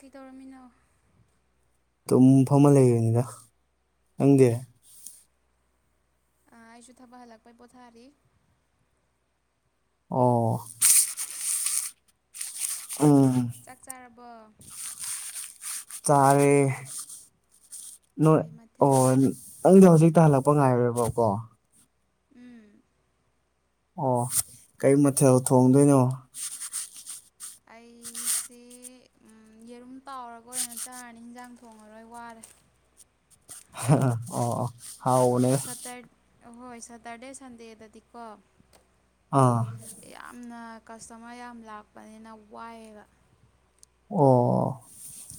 ꯀꯩꯗꯧꯔꯝꯃꯤꯅꯣ ꯇꯨꯝꯐꯝ ꯑꯃ ꯂꯩꯕꯅꯤꯗ ꯅꯪꯗꯦ ꯑ ꯑꯩꯁꯨ ꯊꯥꯕꯛ ꯍꯜꯂꯛꯄꯩ ꯄꯣꯊꯥꯔꯤ ꯑꯣ꯫ ꯎꯝ꯫ ꯆꯥꯛ ꯆꯥꯔꯕꯣ ꯇꯔꯦ ꯅ ꯀꯩ ꯑꯣ ꯃꯊꯦꯜ ꯅꯪꯗꯣ ꯍꯧꯖꯤꯛꯇ ꯍꯜꯂꯛꯄ ꯉꯥꯏꯔꯤꯕꯀꯣ ꯎꯝ ꯑꯣ ꯀꯩ ꯃꯊꯦꯜ ꯊꯣꯡꯗꯣꯏꯅꯣ ꯑꯩꯁꯦ ꯌꯦꯔꯨꯝ ꯇꯥꯎꯔꯒ ꯑꯣꯏꯅ ꯆꯥꯔꯅꯤ ꯌꯦꯟꯖꯥꯡ ꯊꯣꯡꯉꯔꯣꯏ ꯋꯥꯔꯦ ꯑꯣ ꯑꯣ ꯍꯥꯎꯕꯅꯦ ꯁꯇ꯭ꯔ ꯍꯣꯏ ꯁꯇꯔꯗꯦ ꯁꯟꯗꯦꯗꯗꯤꯀꯣ ꯑꯥ ꯌꯥꯝꯅ ꯀꯁꯇꯃꯔ ꯌꯥꯝ ꯂꯥꯛꯄꯅꯤꯅ ꯋꯥꯏꯑꯦꯕ꯫ ꯑꯣ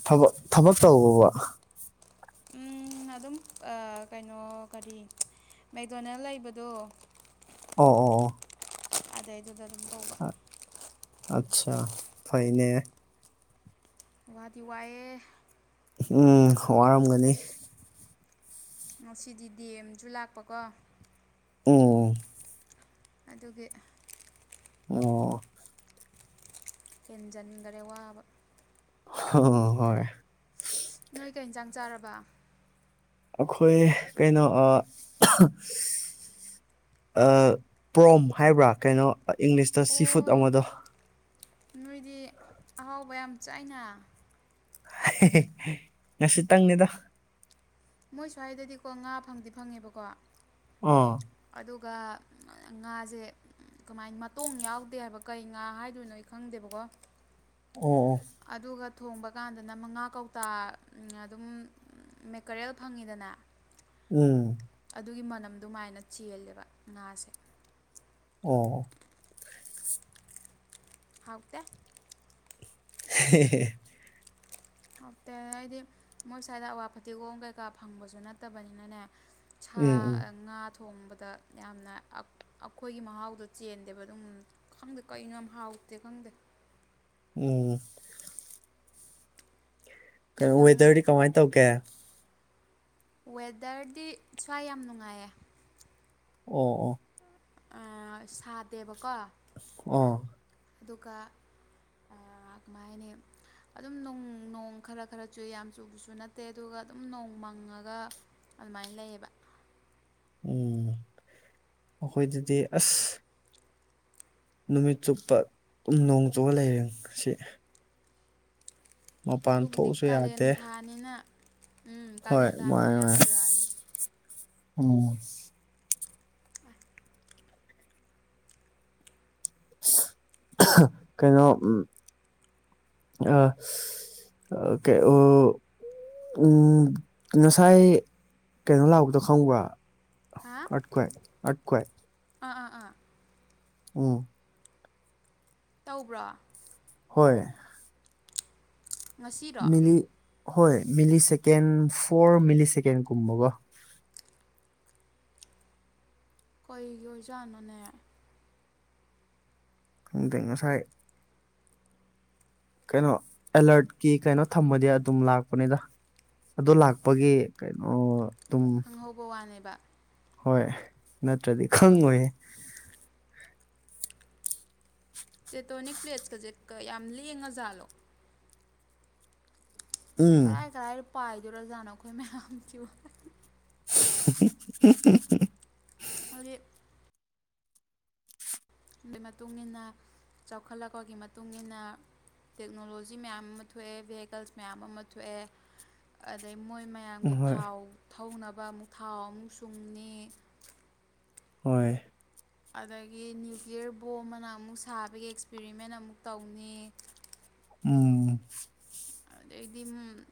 ꯊꯕꯛ ꯊꯕꯛ ꯇꯧꯕ꯭ꯔꯣ ꯎꯝ ꯑꯗꯨꯝ ꯑ ꯀꯩꯅꯣ ꯀꯔꯤ ꯃꯦꯛꯗꯣꯅꯦꯜ ꯂꯩꯕꯗꯣ ꯑꯣ ꯑꯣ ꯑꯗꯩꯗꯨꯗ ꯑꯗꯨꯝꯕ ꯑꯆꯥ ꯐꯩꯅꯦ ꯋꯥꯇꯤ ꯋꯥꯑꯦ ꯎꯝ ꯋꯥꯔꯝꯒꯅꯤ꯫ ꯉꯁꯤꯗꯤ D M ꯁꯨ ꯂꯥꯛꯄꯀꯣ ꯎꯝ꯫ ꯑꯗꯨꯒꯤ ꯑꯣ ꯍꯦꯟꯖꯤꯟꯈꯔꯦ ꯋꯥꯕ ꯍꯣ ꯑꯣ ꯍꯣꯏ꯫ ꯅꯣꯏ ꯀꯩ ꯏꯟꯁꯥꯡ ꯆꯥꯔꯕ ꯑꯩꯈꯣꯏ ꯀꯩꯅꯣ ꯑ ꯑ ꯄ꯭ꯔꯣꯝ ꯍꯥꯏꯕ꯭ꯔꯥ ꯀꯩꯅꯣ ꯏꯪꯂꯤꯁꯇ ꯁꯤ ꯐꯨꯗ ꯑꯣ ꯑꯃꯗꯣ꯫ ꯅꯣꯏꯗꯤ ꯑꯍꯥꯎꯕ ꯌꯥꯝ ꯆꯥꯏꯅ ꯉꯁꯤꯇꯪꯅꯤꯗ ꯃꯣꯏ ꯁ꯭ꯋꯥꯏꯗꯗꯤꯀꯣ ꯉꯥ ꯐꯪꯗꯤ ꯐꯪꯉꯦꯕꯀꯣ ꯑ ꯑꯗꯨꯒ ꯉꯥꯁꯦ ꯀꯃꯥꯏ ꯃꯇꯣꯡ ꯌꯥꯎꯗꯦꯕ ꯀꯩ ꯉꯥ ꯍꯥꯏꯗꯣꯏꯅꯣ ꯑꯩ ꯈꯪꯗꯦꯕꯀꯣ ꯑꯣ ꯑꯣ ꯑꯗꯨꯒ ꯊꯣꯡꯕ ꯀꯥꯟꯗꯅ ꯃꯉꯥ ꯀꯧꯇꯥ ꯑꯗꯨꯝ ꯀꯔꯦꯜ ꯐꯪꯉꯤꯗꯅ ꯎꯝ ꯑꯗꯨꯒꯤ ꯃꯅꯝꯗꯨꯃꯥꯏꯅ ꯆꯦꯜꯂꯦꯕ ꯉꯥꯁꯦ ꯑꯣ ꯍꯥꯎꯇꯦ ꯍꯦ-ꯍꯦ ꯍꯥꯎꯇꯦ ꯍꯥꯏꯗꯤ ꯃꯣꯏ ꯁ꯭ꯋꯥꯏꯗ ꯑꯋꯥ ꯐꯠꯇꯤꯒꯣꯝ ꯀꯩꯀꯥ ꯐꯪꯕꯁꯨ ꯅꯠꯇꯕꯅꯤꯅꯅꯦ ꯁꯥ ꯎꯝ ꯎꯝ ꯉꯥ ꯊꯣꯡꯕꯗ꯫ ꯌꯥꯝꯅ ꯑꯩꯈꯣꯏꯒꯤ ꯃꯍꯥꯎꯗꯣ ꯆꯦꯟꯗꯦꯕ ꯑꯗꯨꯝ ꯈꯪꯗꯦ ꯀꯔꯤꯅꯣ ꯌꯥꯝ ꯍꯥꯎꯇꯦ ꯈꯪꯗꯦ ꯎꯝ꯫ ꯀꯦꯅꯣ ꯃꯊꯪ ꯋꯦꯗꯔꯗꯤ ꯀꯃꯥꯏꯅꯟ ꯇꯧꯒꯦ꯫ ꯋꯦꯗꯔꯗꯤ ꯁ꯭ꯋꯥꯏ ꯌꯥꯝ ꯅꯨꯡꯉꯥꯏꯌꯦ ꯑꯣ ꯑꯣ ꯁꯥꯗꯦꯕꯀꯣ ꯑ ꯑꯗꯨꯒ ꯑ ꯀꯃꯥꯏ ꯍꯥꯏꯅꯤ ꯑꯗꯨꯝ ꯅꯣꯡ ꯅꯣꯡ ꯈꯔ ꯈꯔ ꯆꯨꯢ ꯌꯥꯝ ꯆꯨꯕꯁꯨ ꯅꯠꯇꯦ ꯑꯗꯨꯒ ꯑꯗꯨꯝ ꯅꯣꯡ ꯃꯪꯉꯒ ꯑꯗꯨꯃꯥꯏꯅ ꯂꯩꯌꯦꯕ ꯎꯝ ꯃꯈꯈꯣꯏꯗꯗꯤ ꯑꯁ ꯅꯨꯃꯤꯠ ꯆꯨꯞꯄ ꯗꯨꯝ ꯅꯣꯡ ꯆꯨꯔ ꯂꯥꯏꯔꯦꯡꯁꯤ ꯑꯗꯨꯕꯨꯗꯤ ꯊꯣꯛꯎꯁꯨ ꯀꯥꯂꯦꯟ ꯌꯥꯗꯦ ꯊꯥꯅꯤꯅ ꯎꯝ ꯍꯣꯏ ꯀꯥꯂꯦꯟ ꯊꯥꯅꯤꯅ ꯃꯥꯅꯦ ꯌꯥꯝ ꯃꯥꯅꯦ ꯆꯨꯔꯛꯑꯅꯤ ꯎꯝ ꯑꯁ ꯀꯩꯅꯣ ꯎ ꯑ ꯑꯣꯀꯦ ꯑꯣ ꯎꯝ ꯉꯁꯥꯏ ꯀꯩꯅꯣ ꯂꯥꯛꯄꯗꯣ ꯈꯪꯕ꯭ꯔ ꯍꯥ ꯑꯠꯀꯦꯠ ꯑꯠꯀꯦ ꯑꯥ ꯑꯥ ꯑꯥ ꯎꯝ ꯇꯧꯕ꯭ꯔꯥ ꯍꯣꯏ ꯉꯁꯤꯔꯣ ꯃꯤꯂꯤ ꯍꯣꯏ ꯃꯤꯂꯤ ꯁꯦꯀꯦꯟ ꯐꯣꯔ ꯃꯤꯂꯤ ꯁꯦꯀꯦꯟꯒꯨꯝꯕꯒꯣ ꯑꯩꯈꯣꯏꯒꯤ ꯑꯣꯏꯖꯥꯠꯅꯣꯅꯦ ꯑꯗꯨ ꯉꯁꯥꯏ ꯀꯩꯅꯣ ꯑꯦꯂ꯭ꯔꯠꯀꯤ ꯀꯩꯅꯣ ꯊꯝꯃꯗꯤ ꯑꯗꯨꯝ ꯂꯥꯛꯄꯅꯤꯗ ꯑꯗꯨ ꯂꯥꯛꯄꯒꯤ ꯀꯩꯅꯣ ꯑꯗꯨꯝ ꯈꯪꯍꯧꯕ ꯋꯥꯅꯦꯕ꯫ ꯍꯣꯏ ꯅꯠꯇ꯭ꯔꯗꯤ ꯈꯪꯉꯣꯏꯌꯦ ꯇꯦꯇꯣꯅꯤꯛ ꯄ꯭ꯂꯦꯠꯁꯀꯁꯦ ꯀ ꯌꯥꯝ ꯂꯦꯡꯉ ꯖꯥꯠꯂꯣ ꯎꯝ ꯀꯔꯥꯏ ꯀꯔꯥꯏꯗ ꯄꯥꯏꯗꯣꯔꯖꯥꯅꯣ ꯑꯩꯈꯣꯏ ꯃꯌꯥꯝꯁꯤꯕꯨ ꯍꯨꯝ-ꯍꯨꯝ [unintelligible] ꯑꯗꯨꯗꯤ ꯗꯨꯏ ꯃꯇꯨꯡꯏꯟꯅ ꯆꯥꯎꯈꯠꯂꯛꯄꯒꯤ ꯃꯇꯨꯡ ꯏꯟꯅ ꯇꯦꯛꯅꯣꯂꯣꯖꯤ ꯃꯌꯥꯝ ꯑꯃ ꯊꯣꯛꯑꯦ ꯚꯦꯍꯤꯀꯜꯁ ꯃꯌꯥꯝ ꯑꯃ ꯊꯣꯛꯑꯦ꯫ ꯑꯗꯩ ꯃꯣꯏ ꯃꯌꯥꯝꯒꯤ ꯍꯣꯏ ꯊꯥꯎ ꯊꯧꯅꯕ ꯑꯃꯨꯛ ꯊꯥꯎ ꯑꯃꯨꯛ ꯁꯨꯝꯅꯤ ꯍꯣꯏ ꯑꯗꯒꯤ ꯅ꯭ꯌꯨꯀ꯭ꯂꯤꯌꯔ ꯕꯣꯝ ꯑꯃ ꯑꯃꯨꯛ ꯁꯥꯕꯒꯤ ꯑꯦꯛꯁꯄꯔꯤꯃꯦꯟ ꯑꯃꯨꯛ ꯇꯧꯅꯤ ꯎꯝ ꯑꯗꯩꯗꯤ ꯎꯝ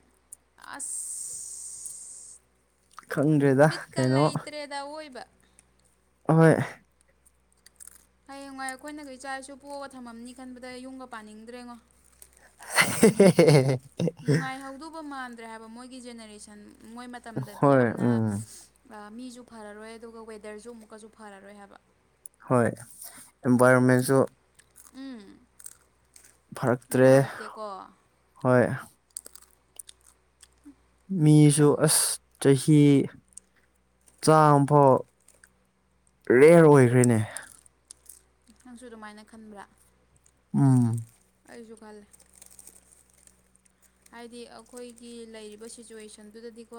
ꯑꯁ ꯈꯪꯗ꯭ꯔꯦꯗ ꯕꯤꯠꯀ ꯀꯩꯅꯣ ꯂꯩꯇ꯭ꯔꯦꯗ ꯑꯑꯣꯏꯕ ꯑꯍꯣꯏ ꯍꯌꯦꯡꯋꯥꯏ ꯑꯩꯈꯣꯏꯅꯒ ꯏꯆꯥ-ꯏꯁꯨ ꯄꯣꯛꯑꯒ ꯊꯝꯃꯝꯅꯤ ꯈꯟꯕꯗ ꯌꯨꯝꯒ ꯄꯥꯅꯤꯡꯗ꯭ꯔꯦꯉꯣ ꯍꯦ ꯅꯨꯡꯉꯥꯏꯍꯧꯗꯧꯕ ꯃꯥꯟꯗ꯭ꯔꯦ ꯍꯥꯏꯕ ꯃꯣꯏꯒꯤ ꯖꯦꯅꯦꯔꯦꯁꯟ ꯃꯣꯏ ꯃꯇꯝꯗꯗꯤ ꯍꯣꯏ ꯌꯥꯝꯅ ꯎꯝ ꯑ ꯃꯤꯖꯨ ꯐꯔꯔꯣꯏ ꯑꯗꯨꯒ ꯋꯦꯗꯔꯁꯨ ꯑꯃꯨꯛꯀꯖꯨ ꯐꯔꯔꯣꯏ ꯍꯥꯏꯕ꯫ ꯍꯣꯏ ꯏꯟꯚꯥꯏꯔꯣꯟꯃꯦꯟꯁꯨ꯫ ꯎꯝ ꯐꯔꯛꯇꯔ꯭ꯦ ꯅꯨꯡꯉꯥꯏꯇꯦꯀꯣ ꯍꯣꯏ ꯎꯝ ꯃꯤꯁꯨ ꯑꯁ ꯆꯍꯤ ꯆꯥꯝꯃ ꯐꯥꯎ ꯔꯦꯌꯔ ꯑꯣꯏꯈ꯭ꯔꯦꯅꯦ꯫ ꯅꯪꯁꯨ ꯑꯗꯨꯃꯥꯏꯅ ꯈꯟꯕ꯭ꯔꯥ ꯎꯝ ꯑꯩꯁꯨ ꯈꯜꯂꯦ ꯍꯥꯏꯗꯤ ꯑꯈꯣꯏꯒꯤ ꯂꯩꯔꯤꯕ ꯁꯤꯆꯨꯋꯦꯁꯟꯗꯨꯗꯗꯤꯀꯣ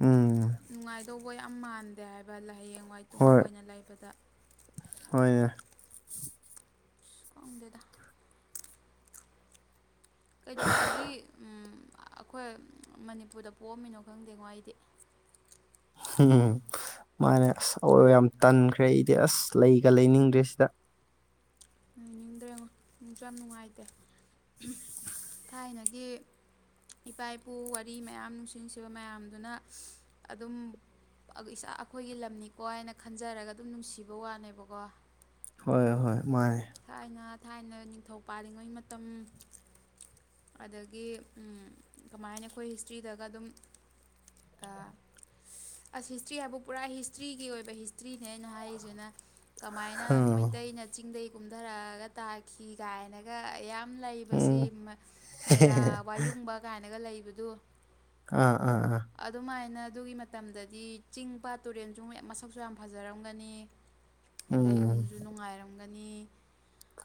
ꯎꯝ ꯅꯨꯡꯉꯥꯏ ꯗꯧꯕ ꯌꯥꯝ ꯃꯥꯟꯗꯦ ꯍꯥꯏꯕ ꯍꯥꯌꯦꯡ ꯋꯥꯏ ꯇꯨꯡ ꯍꯣꯏ ꯀꯣꯏꯅ ꯂꯩꯕꯗ ꯍꯣꯏꯅꯦ ꯈꯪꯗꯦꯗ ꯀꯩꯗꯧꯕꯒꯤ ꯎꯝ ꯑꯈꯣꯏ ꯃꯅꯤꯄꯨꯔꯗ ꯄꯣꯛꯑꯝꯃꯤꯅꯣ ꯈꯪꯗꯦꯉꯣ ꯑꯩꯗꯤ꯫ ꯍꯨꯝ ꯃꯥꯅꯦ ꯑꯁ ꯑꯋꯣꯏꯕ ꯌꯥꯝ ꯇꯟꯈ꯭ꯔꯦ ꯑꯩꯗꯤ ꯑꯁ ꯂꯩꯒ ꯂꯩꯅꯤꯡꯗ꯭ꯔꯦ ꯁꯤꯗ ꯂꯩꯅꯤꯡꯗ꯭ꯔꯦꯉꯣ ꯅꯨꯡꯁꯨ ꯌꯥꯝ ꯅꯨꯡꯉꯥꯏꯇꯦ ꯍꯨꯝ ꯊꯥꯏꯅꯒꯤ ꯏꯄꯥ ꯏꯄꯨ ꯋꯥꯔꯤ ꯃꯌꯥꯝ ꯅꯨꯡꯁꯤ ꯅꯨꯡꯁꯤꯕ ꯃꯌꯥꯝꯗꯨꯅ ꯑꯗꯨꯝ꯫ ꯑꯗꯨ ꯏꯁꯥ ꯑꯩꯈꯣꯏꯒꯤ ꯂꯝꯅꯤꯀꯣ ꯍꯥꯏꯅ ꯈꯟꯖꯔꯒ ꯑꯗꯨꯝ ꯅꯨꯡꯁꯤꯕ ꯋꯥꯅꯦꯕꯀꯣ ꯍꯣꯏ ꯍꯣꯏ ꯃꯥꯅꯦ ꯊꯥꯏꯅ ꯊꯥꯏꯅ ꯅꯤꯡꯊꯧ ꯄꯥꯜꯂꯤꯉꯩ ꯃꯇꯝ ꯑꯗꯒꯤ ꯎꯝ ꯀꯃꯥꯏ ꯍꯥꯏꯅꯤ ꯑꯩꯈꯣꯏ ꯍꯤꯁꯇ꯭ꯔꯤꯗꯒ ꯑꯗꯨꯝ ꯑ ꯑꯁ ꯍꯤꯁꯇ꯭ꯔꯤ ꯍꯥꯏꯕꯨ ꯄꯨꯔꯥ ꯍꯤꯁꯇ꯭ꯔꯤꯒꯤ ꯑꯣꯏꯕ ꯍꯤꯁꯇ꯭ꯔꯤꯅꯦ ꯑꯩꯅ ꯍꯥꯏꯔꯤꯁꯤꯅ ꯀꯃꯥꯏꯅ ꯎꯝ ꯃꯩꯇꯩꯅ ꯆꯤꯡꯗꯒꯤ ꯀꯨꯝꯊꯔꯛꯑꯒ ꯇꯥꯈꯤ ꯀꯥꯏꯅꯒ ꯌꯥꯝ ꯥ ꯎꯝ ꯂꯩꯕꯁꯤ ꯃꯦꯔꯥ ꯋꯥꯌꯨꯡꯕ ꯀꯥꯢꯅ ꯂꯩꯕꯗꯨ꯫ ꯑꯥ ꯑꯥ ꯑꯥ ꯑꯗꯨꯃꯥꯏꯅ ꯑꯗꯨꯒꯤ ꯃꯇꯝꯗꯗꯤ ꯆꯤꯡ ꯄꯥꯠ ꯇꯨꯔꯦꯟꯁꯨ ꯃꯁꯛꯁꯨ ꯌꯥꯝ ꯐꯖꯔꯝꯒꯅꯤ ꯑꯗꯩ ꯎꯝ ꯅꯨꯡꯁꯨ ꯅꯨꯡꯉꯥꯏꯔꯝꯒꯅꯤ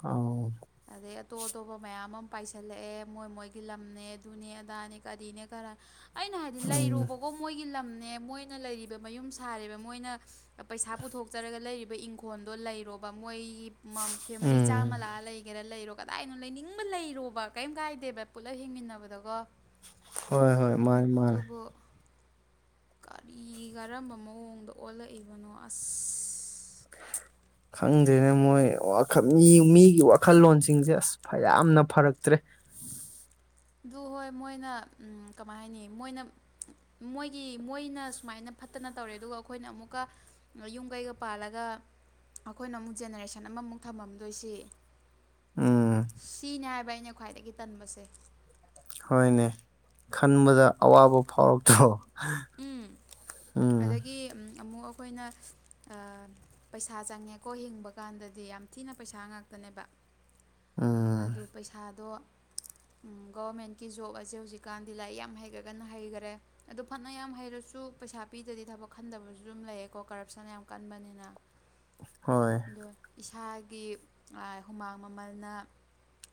ꯑꯧ ꯑꯗꯩ ꯑꯇꯣꯞ ꯑꯇꯣꯞꯄ ꯃꯌꯥꯝ ꯑꯃ ꯄꯥꯏꯁꯜꯂꯛꯑꯦ ꯃꯣꯏ ꯃꯣꯏꯒꯤ ꯂꯝꯅꯦ ꯑꯗꯨꯅꯦ ꯑꯗꯥꯅꯦ ꯀꯔꯤꯅꯦ ꯀꯔꯥꯅꯦ ꯑꯩꯅ ꯍꯥꯏꯗꯤ ꯎꯝ ꯂꯩꯔꯣꯕꯀꯣ ꯗꯨꯝ ꯃꯣꯏꯒꯤ ꯂꯝꯅꯦ ꯃꯣꯏꯅ ꯂꯩꯔꯤꯕ ꯃꯌꯨꯝ ꯁꯥꯔꯤꯕ ꯃꯣꯏꯅ ꯄꯩꯁꯥ ꯄꯨꯊꯣꯛꯆꯔꯒ ꯂꯩꯔꯤꯕ ꯏꯪꯈꯣꯜꯗꯣ ꯂꯩꯔꯣꯕ ꯃꯣꯏꯒꯤ ꯐꯦꯃꯤꯂꯤ ꯎꯝ ꯆꯥꯝꯃ ꯂꯥꯛꯑ ꯂꯩꯒꯦꯔꯥ ꯂꯩꯔꯣ ꯀꯗꯥꯏꯅꯣ ꯂꯩꯅꯤꯡꯕ ꯂꯩꯔꯣꯕ ꯀꯩꯝ ꯀꯥꯏꯗ ꯗꯦꯕ ꯄꯨꯂꯞ ꯍꯤꯡꯃꯤꯟꯅꯕꯗꯀꯣ ꯍꯣꯏ ꯍꯣꯏ ꯃꯥꯅꯦ ꯃꯥꯅꯦ ꯑꯗꯨꯕꯨ ꯀꯔꯤ ꯀꯔꯝꯕ ꯃꯑꯣꯡꯗ ꯑꯣꯜꯂꯛꯏꯕꯅꯣ ꯑꯁ ꯑꯆ ꯈꯪꯗ꯭ꯔꯦꯅꯦ ꯃꯣꯏ ꯋꯥꯈꯜ ꯃꯤ ꯃꯤꯒꯤ ꯋꯥꯈꯜꯂꯣꯟꯁꯤꯡꯁꯦ ꯑꯁ ꯌꯥꯝꯅ ꯐꯔꯛꯇ꯭ꯔꯦ ꯑꯗꯨ ꯍꯣꯏ ꯃꯣꯏꯅ ꯎꯝ ꯀꯃꯥꯏ ꯍꯥꯏꯅꯤ ꯃꯣꯏꯅ ꯃꯣꯏꯒꯤ ꯃꯣꯏꯅ ꯁꯨꯃꯥꯏꯅ ꯐꯠꯇꯅ ꯇꯧꯔꯦ ꯑꯗꯨꯒ ꯑꯩꯈꯣꯏꯅ ꯑꯃꯨꯛꯀ ꯌꯨꯝ ꯀꯩꯒ ꯄꯥꯜꯂꯒ ꯑꯩꯈꯣꯏꯅ ꯑꯃꯨꯛ ꯖꯦꯅꯦꯔꯦꯁꯟ ꯑꯃꯃꯨꯛ ꯊꯝꯃꯝꯗꯣꯏꯁꯤ ꯎꯝ ꯁꯤꯅꯦ ꯍꯥꯏꯕ ꯑꯩꯅ ꯈ꯭ꯋꯥꯏꯗꯒꯤ ꯇꯟꯕꯁꯦ꯫ ꯍꯣꯏꯅꯦ ꯈꯟꯕꯗ ꯑꯋꯥꯕ ꯐꯥꯎꯔꯛꯇ꯭ꯔꯣ꯫ ꯎꯝ ꯎꯝ ꯑꯗꯒꯤ ꯑꯃꯨꯛ ꯑꯩꯈꯣꯏꯅ ꯄꯩꯁꯥ ꯆꯪꯉꯦꯀꯣ ꯍꯤꯡꯕ ꯀꯥꯟꯗꯗꯤ ꯌꯥꯝ ꯊꯤꯅ ꯄꯩꯁꯥ ꯉꯥꯛꯇꯅꯦꯕ꯫ ꯎꯝ ꯑꯗꯨ ꯄꯩꯁꯥꯗꯣ ꯒꯕꯔꯃꯦꯟꯠꯀꯤ ꯖꯣꯕ ꯑꯁꯦ ꯍꯧꯖꯤꯛꯀꯥꯟꯗꯤ ꯂꯥꯏꯔꯤꯛ ꯌꯥꯝ ꯍꯩꯒ꯭ꯔꯒꯅ ꯍꯩꯒ꯭ꯔꯦ ꯑꯗꯣ ꯐꯅ ꯌꯥꯝ ꯍꯩꯔꯁꯨ ꯄꯩꯁꯥ ꯄꯤꯗꯗꯤ ꯊꯕꯛ ꯈꯟꯗꯕꯁꯨ ꯑꯗꯨꯝ ꯂꯩꯌꯦꯀꯣ ꯀꯔꯞꯁꯟ ꯌꯥꯝ ꯀꯟꯕꯅꯤꯅ [unintelligible] ꯍꯣꯏ ꯑꯗꯣ ꯏꯁꯥꯒꯤ ꯍꯨꯃꯥꯡ ꯃꯃꯜꯅ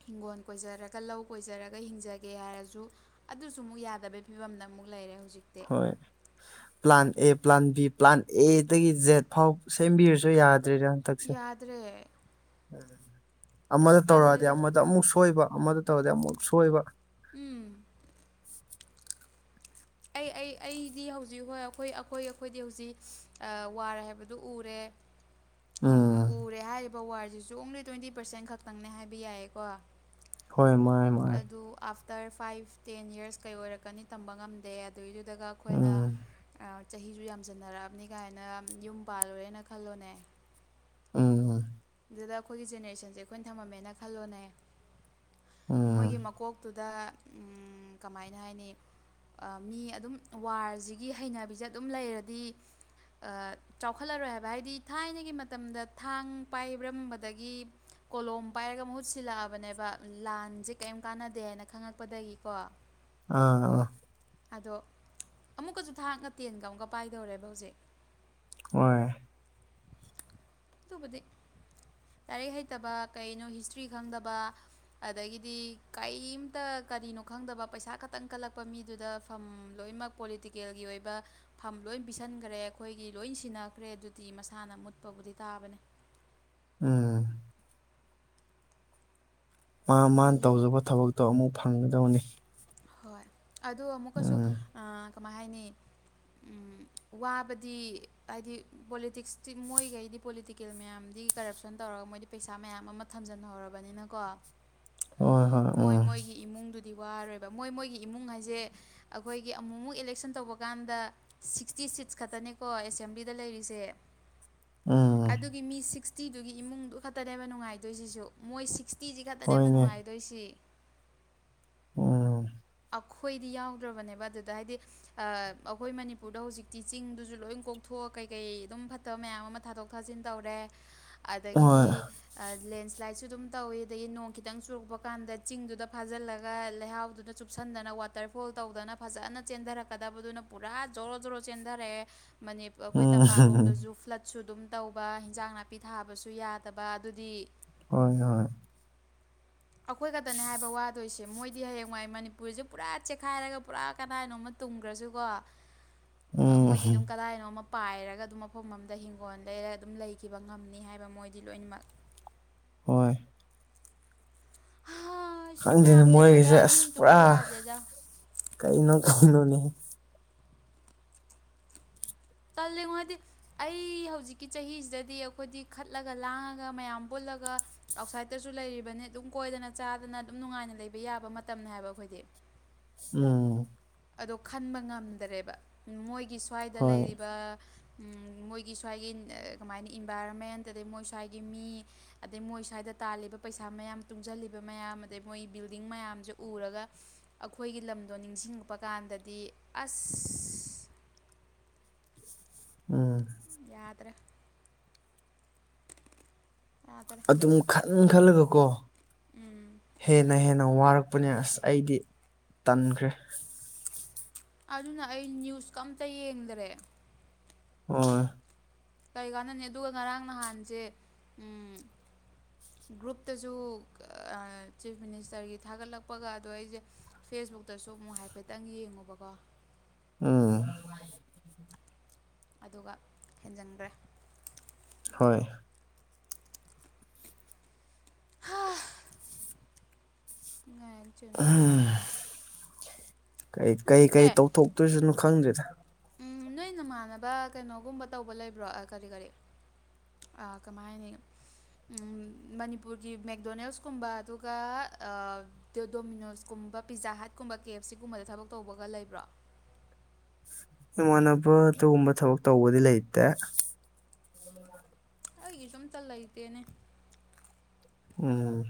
ꯍꯤꯡꯒꯣꯜ ꯀꯣꯏꯖꯔꯒ ꯂꯧ ꯀꯣꯏꯖꯔꯒ ꯍꯤꯡꯖꯒꯦ ꯍꯥꯏꯔꯁꯨ꯫ ꯑꯗꯨꯁꯨ ꯑꯃꯨꯛ ꯌꯥꯗꯕꯒꯤ ꯐꯤꯕꯝꯗ ꯑꯃꯨꯛ ꯂꯩꯔꯦ ꯍꯧꯖꯤꯛꯇꯤ 'inaudible' plan A plan B plan ꯑꯦꯗꯒꯤ ꯖꯦꯠ ꯐꯥꯎ ꯁꯦꯝꯕꯤꯔꯁꯨ ꯌꯥꯗ꯭ꯔꯦꯗ ꯌꯥꯗ꯭ꯔꯦ ꯎꯝ ꯑꯁ ꯑꯃꯗ ꯇꯧꯔꯛꯑꯗꯤ ꯇꯜꯂꯦꯗ ꯑꯃꯗ ꯑꯃꯨꯛ ꯁꯣꯏꯕ ꯑꯃꯗ ꯇꯧꯔꯗꯤ ꯑꯃꯨꯛ ꯁꯣꯏꯕ ꯎꯝ ꯑꯩ ꯑꯩ ꯑꯩꯗꯤ ꯍꯧꯖꯤꯛ ꯍꯣꯏ ꯑꯩꯈꯣꯏ ꯑꯩꯈꯣꯏ ꯑꯩꯈꯣꯏꯗꯤ ꯍꯧꯖꯤꯛ ꯑ ꯋ꯭ꯥꯔ ꯍꯥꯏꯕꯗꯨ ꯎꯔꯦ ꯎꯝ ꯎꯔꯦ ꯍꯥꯏꯔꯤꯕ ꯋꯥꯔꯁꯤꯁꯨ ꯑꯣꯡꯂꯤ ꯇ꯭ꯋꯦꯟꯇꯤ ꯄꯥꯔꯁꯦꯟ ꯈꯛꯇꯪꯅꯦ ꯍꯥꯏꯕ ꯌꯥꯏꯀꯣ ꯍꯣꯏ ꯃꯥꯢꯝ꯫ ꯑꯗꯨ ꯑꯥꯐꯇꯔ ꯐꯥꯏꯐ ꯇꯦꯟ ꯌꯔꯁ ꯀꯩ ꯑꯣꯏꯔꯛꯀꯅꯤ ꯇꯝꯕ ꯉꯝꯗꯦ ꯑꯗꯨꯏꯗꯨꯗꯒ ꯑꯩꯈꯣꯏꯅ ꯎꯝ ꯆꯍꯤꯁꯨ ꯌꯥꯝ ꯆꯟꯅꯔꯛꯑꯕꯅꯤ ꯀꯥꯏꯅ ꯌꯨꯝ ꯄꯥꯜꯂꯨꯔꯦꯅ ꯈꯜꯂꯣꯅꯦ ꯎꯝ ꯑꯗꯨꯗ ꯑꯩꯈꯣꯏꯒꯤ ꯖꯦꯅꯦꯔꯦꯁꯟꯁꯦ ꯑꯩꯈꯣꯏꯅ ꯊꯝꯃꯝꯃꯦꯅ ꯈꯜꯂꯣꯅꯦ ꯎꯝ ꯃꯣꯏꯒꯤ ꯃꯀꯣꯛ ꯑꯗꯨꯨꯗ ꯀꯃꯥꯏꯅ ꯍꯥꯏꯅꯤ ꯑ ꯃꯤ ꯑꯗꯨꯝ ꯋꯥꯔꯁꯤꯒꯤ ꯍꯩꯅꯕꯤꯁꯦ ꯑꯗꯨꯝ ꯂꯩꯔꯗꯤ ꯆꯥꯎꯈꯠꯂꯔꯣꯏ ꯍꯥꯏꯕ ꯍꯥꯏꯗꯤ ꯊꯥꯏꯅꯒꯤ ꯃꯇꯝꯗ ꯊꯥꯡ ꯄꯥꯏꯔꯝꯕꯗꯒꯤ꯫ ꯀꯣꯂꯣꯝ ꯄꯥꯏꯔꯒ ꯃꯍꯨꯠ ꯁꯤꯜꯂꯛꯑꯕꯅꯦꯕ ꯂꯥꯟꯁꯦ ꯀꯔꯤꯝ ꯀꯥꯟꯅꯗꯦ ꯍꯥꯏꯅ ꯈꯪꯉꯛꯄꯗꯒꯤꯀꯣ ꯑꯥ ꯑ ꯑꯗꯣ ꯑꯃꯨꯛꯀꯁꯨ ꯊꯥꯡꯒ ꯇꯦꯟꯒ ꯑꯃꯨꯛꯀ ꯄꯥꯏꯗꯧꯔꯦꯕ ꯍꯧꯖꯤꯛ ꯍꯣꯏ ꯑꯗꯨꯕꯨꯗꯤ ꯂꯥꯏꯔꯤꯛ ꯍꯩꯇꯕ ꯀꯩꯅꯣ ꯍꯤꯁꯇ꯭ꯔꯤ ꯈꯪꯗꯕ ꯑꯗꯒꯤꯗꯤ ꯀꯩꯝꯇ ꯀꯔꯤꯅꯣ ꯈꯪꯗꯕ ꯄꯩꯁꯥ ꯈꯛꯇꯪ ꯀꯜꯂꯛꯄ ꯃꯤ ꯑꯗꯨꯗ ꯐꯝ ꯂꯣꯏꯅꯃꯛ ꯄꯣꯂꯤꯇꯤꯀꯦꯜꯒꯤ ꯑꯣꯏꯕ ꯐꯝ ꯂꯣꯏ ꯄꯤꯁꯟꯒ꯭ꯔꯦ ꯑꯩꯈꯣꯏꯒꯤ ꯂꯣꯏ ꯁꯤꯟꯅꯈ꯭ꯔꯦ ꯑꯗꯨꯗꯤ ꯃꯁꯥꯅ ꯃꯨꯠꯄꯕꯨꯗꯤ ꯇꯥꯕꯅꯦ ꯎꯝ꯫ ꯃꯥ ꯃꯥꯅ ꯑꯩ ꯇꯧꯖꯕ ꯊꯕꯛꯇꯣ ꯑꯃꯨꯛ ꯐꯪꯒꯗꯕꯅꯤ꯫ ꯍꯣꯏ ꯑꯗꯣ ꯑꯃꯨꯛꯀꯁꯨ ꯑ ꯀꯃꯥꯏ ꯍꯥꯏꯅꯤ ꯑꯨꯝ ꯋꯥꯕꯗꯤ ꯍꯥꯏꯗꯤ ꯄꯣꯂꯤꯇꯤꯛꯁꯇꯤ ꯃꯣꯏꯒꯩꯗꯤ ꯄꯣꯂꯤꯇꯤꯀꯦꯜ ꯃꯌꯥꯝꯗꯤ ꯀꯔꯞꯁꯟ ꯇꯧꯔꯒ ꯃꯣꯏꯗꯤ ꯄꯩꯁꯥ ꯃꯌꯥꯝ ꯑꯃ ꯊꯝꯖꯤꯟꯍꯧꯔꯕꯅꯤꯅꯀꯣ ꯍꯣꯏ ꯍꯣꯏ ꯃꯣꯏ ꯎꯝ ꯃꯣꯏꯒꯤ ꯏꯃꯨꯡꯗꯨꯗꯤ ꯋꯥꯔꯣꯏꯕ ꯃꯣꯏ ꯃꯣꯏꯒꯤ ꯏꯃꯨꯡ ꯍꯥꯏꯁꯦ ꯑꯈꯣꯏꯒꯤ ꯑꯃꯨꯛ ꯑꯃꯨꯛ ꯏꯂꯦꯛꯁꯟ ꯇꯧꯕ ꯀꯥꯟꯗ꯫ ꯁꯤꯛꯁꯇꯤ ꯁꯤꯛ ꯈꯛꯇꯅꯦꯀꯣ ꯑꯦꯁꯦꯝꯕ꯭ꯂꯤꯗ ꯂꯩꯔꯤꯁꯦ꯫ ꯎꯝ ꯑꯗꯨꯒꯤ ꯃꯤ ꯁꯤꯛꯁꯇꯤꯗꯨꯒꯤ ꯏꯃꯨꯡꯗꯨ ꯈꯛꯇꯅꯦꯕ ꯅꯨꯡꯉꯥꯏꯗꯣꯏꯁꯤꯁꯨ ꯃꯣꯏ ꯁꯤꯛꯁꯇꯤꯁꯤ ꯈꯛꯇꯅꯦꯕ ꯍꯣꯏꯅꯦ ꯅꯨꯡꯉꯥꯏ ꯗꯣꯢꯁꯤ꯫ ꯎꯝ꯫ ꯑꯩꯈꯣꯏꯗꯤ ꯌꯥꯎꯗ꯭ꯔꯕꯅꯦꯕ ꯑꯗꯨꯗ ꯍꯥꯏꯗꯤ ꯑꯩꯈꯣꯏ ꯃꯅꯤꯄꯨꯔꯗ ꯍꯧꯖꯤꯛꯇꯤ ꯆꯤꯡꯗꯨꯁꯨ ꯂꯣꯏ ꯀꯣꯛꯊꯣꯛꯑꯒ ꯀꯩꯀꯩ ꯑꯗꯨꯝ ꯐꯠꯇ ꯇꯕ ꯃꯌꯥꯝ ꯑꯃ ꯊꯥꯗꯣꯛ ꯊꯥꯖꯤꯟ ꯇꯧꯔꯦ ꯑꯗꯒꯤꯗꯤ ꯍꯣꯏ ꯂꯦꯟꯁ꯭ꯂꯥꯏꯠꯁꯨ ꯑꯗꯨꯝ ꯇꯧꯋꯤ ꯑꯗꯒꯤ ꯅꯣꯡ ꯈꯤꯇꯪ ꯆꯨꯔꯛꯄ ꯀꯥꯟꯗ ꯆꯤꯡꯗꯨꯗ ꯐꯥꯖꯤꯜꯂꯒ ꯂꯩꯍꯥꯎꯗꯨꯗ ꯆꯨꯞꯁꯟꯗꯅ ꯋꯥꯇꯔꯐꯣꯜ ꯇꯧꯗꯅ ꯐꯖꯅ ꯆꯦꯟꯊꯔꯛꯀꯗꯕꯗꯨꯅ ꯄꯨꯔꯥ ꯖꯣꯔꯣ ꯖꯣꯔꯣ ꯆꯦꯟꯊꯔꯛꯑꯦ ꯅꯤ ꯑꯩꯈꯣꯏ ꯎꯝ ꯇꯝꯄꯥꯛꯂꯣꯝꯗꯁꯨ ꯐ꯭ꯂꯠ ꯁꯨ ꯑꯗꯨꯝ ꯇꯧꯕ ꯍꯤꯟꯖꯥꯡ ꯅꯥꯄꯤ ꯊꯥꯕꯁꯨ ꯌꯥꯗꯕ ꯑꯗꯨꯗꯤ ꯍꯣꯏ ꯍꯣꯏ꯫ ꯑꯈꯣꯏꯈꯛꯇꯅꯦ ꯍꯥꯏꯕ ꯋꯥꯗꯣꯏꯁꯦ ꯃꯣꯏꯗꯤ ꯍꯌꯦꯡꯋꯥꯏ ꯃꯅꯤꯄꯨꯔ ꯃꯄꯨꯔꯤꯁꯦ ꯄꯨꯔꯥ ꯆꯦꯛꯈꯥꯏꯔꯒ ꯄꯨꯔꯥ ꯀꯅꯥꯅꯣꯝꯃ ꯇꯨꯝꯈ꯭ꯔꯁꯨꯀꯣ ꯃꯣꯏꯗꯤ ꯎꯝ ꯑꯗꯨꯝ ꯀꯗꯥꯏꯅꯣꯃ ꯄꯥꯏꯔꯒ ꯑꯗꯨꯝ ꯃꯐꯝ ꯑꯃꯗ ꯍꯤꯡꯒꯣꯜ ꯂꯩꯔ ꯑꯗꯨꯝ ꯂꯩꯈꯤꯕ ꯉꯝꯅꯤ ꯍꯥꯏꯕ ꯃꯣꯏꯗꯤ ꯂꯣꯏꯅꯃꯛ꯫ ꯍꯣꯏ꯫ ꯍ ꯈꯪꯗꯦꯅ ꯃꯣꯏꯒꯤꯁꯦ ꯑꯁ ꯄꯨꯔꯥ ꯌꯥꯗꯦꯗ ꯀꯩꯅꯣ ꯀꯧꯅꯣꯅꯦ ꯇꯜꯂꯦꯉꯣ ꯑꯩꯗꯤ꯫ ꯑꯩ ꯍꯧꯖꯤꯛꯀꯤ ꯆꯍꯤꯁꯤꯗꯗꯤ ꯑꯈꯣꯏꯗꯤ ꯈꯠꯂꯒ ꯂꯥꯡꯉꯒ ꯃꯌꯥꯝ ꯄꯨꯜꯂꯒ ꯑꯥꯎꯠꯁꯥꯏꯗꯠꯇꯁꯨ ꯂꯩꯔꯤꯕꯅꯤ ꯑꯗꯨꯝ ꯀꯣꯏꯗꯅ ꯆꯥꯗꯅ ꯑꯗꯨꯝ ꯅꯨꯡꯉꯥꯏꯅ ꯂꯩꯕ ꯌꯥꯕ ꯃꯇꯝꯅꯤ ꯍꯥꯏꯕ ꯑꯩꯈꯣꯏꯗꯤ꯫ ꯎꯝ ꯑꯗꯣ ꯈꯟꯕ ꯉꯝꯗꯔꯦꯕ ꯃꯣꯏꯒꯤ ꯁ꯭ꯋꯥꯏꯗ ꯍꯣꯏ ꯂꯩꯔꯤꯕ ꯃꯣꯏꯒꯤ ꯁ꯭ꯋꯥꯏꯒꯤ ꯀꯃꯥꯏꯅ ꯏꯟꯚꯥꯏꯔꯣꯟꯃꯦꯟ ꯑꯗꯩ ꯃꯣꯏ ꯁ꯭ꯋꯥꯏꯒꯤ ꯃꯤ ꯑꯗꯩ ꯃꯣꯏ ꯁ꯭ꯋꯥꯏꯗ ꯇꯥꯜꯂꯤꯕ ꯄꯩꯁꯥ ꯃꯌꯥꯝ ꯇꯨꯡꯁꯤꯜꯂꯤꯕ ꯃꯌꯥꯝ ꯑꯗꯩ ꯃꯣꯏ ꯕꯤꯜꯗꯤꯡ ꯃꯌꯥꯝꯁꯦ ꯎꯔꯒ ꯑꯩꯈꯣꯏꯒꯤ ꯂꯝꯗꯣ ꯅꯤꯡꯁꯤꯡꯉꯛꯄ ꯀꯥꯟꯗꯗꯤ ꯑꯁ ꯎꯝ ꯌꯥꯗꯔꯦ ꯌꯥꯗꯔꯦ ꯑꯗꯨꯝ ꯈꯟ ꯈꯜꯂꯒ ꯀꯣ ꯎꯝ ꯍꯦꯟꯅ ꯍꯦꯟ ꯅꯪ ꯋꯥꯔꯛꯄꯅꯦ ꯑꯁ ꯑꯩꯗꯤ ꯇꯟꯈ꯭ꯔꯦ꯫ ꯑꯗꯨꯅ ꯑꯩ ꯅ꯭ꯌꯨꯁꯀ ꯑꯃꯇ ꯌꯦꯡꯗꯔꯦ꯫ ꯑꯣꯢ ꯀꯔꯤ ꯀꯥꯟꯅꯅꯤ ꯑꯗꯨꯒ ꯉꯔꯥꯡ ꯅꯍꯥꯟꯁꯦ ꯎꯝ ꯒ꯭ꯔꯨꯞꯇꯁꯨ ꯆꯤꯐ ꯃꯤꯅꯤꯁꯇꯔꯒꯤ ꯊꯥꯒꯠꯂꯛꯄꯒ ꯑꯗꯣ ꯑꯩꯁꯦ꯫ ꯐꯦꯁꯕꯨꯛꯇꯁꯨ ꯑꯃꯨꯛ ꯍꯥꯏꯐꯦꯠꯇꯪ ꯌꯦꯡꯉꯨꯕꯀꯣ ꯎꯝ ꯑꯗꯨꯒ ꯍꯦꯟꯖꯟꯗ꯭ꯔꯦ ꯍꯣꯏ꯫ ꯉꯥꯏꯜ ꯆꯟꯨꯁꯔ ꯎꯝ ꯀꯩ ꯀꯩ ꯀꯩ ꯑꯦ ꯇꯧꯊꯣꯛꯇꯣꯏꯁꯅꯣ ꯈꯪꯗ꯭ꯔꯤꯗ ꯅꯣꯏ ꯅꯃꯥꯟꯅꯕ ꯀꯩꯅꯣꯒꯨꯝꯕ ꯇꯧꯕ ꯂꯩꯕ꯭ꯔꯣ ꯀꯔꯤ ꯀꯔꯤ ꯑꯥ ꯀꯃꯥꯏ ꯍꯥꯏꯅꯤ꯫ ꯃꯅꯤꯄꯨꯔꯒꯤ ꯃꯦꯛꯗꯣꯅꯦꯜꯁꯀꯨꯝꯕ ꯑꯗꯨꯒ ꯗꯣꯃꯤꯅꯣꯁꯀꯨꯝꯕ ꯄꯤꯖꯥ ꯍꯥꯠꯀꯨꯝꯕ ꯀꯦ ꯑꯦꯐ ꯁꯤꯒꯨꯝꯕꯗ ꯊꯕꯛ ꯇꯧꯕꯒ ꯂꯩꯕ꯭ꯔꯣ? ꯏꯃꯥꯟꯅꯕ ꯑꯗꯨꯒꯨꯝꯕ ꯊꯕꯛ ꯇꯧꯕꯗꯤ ꯂꯩꯇꯦ꯫ ꯑꯩꯒꯤ ꯁꯨꯝꯇ ꯂꯩꯇꯦꯅꯦ꯫ ꯎꯝ